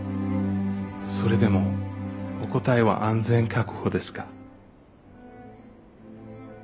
それでもお答えは「安全確保」ですか？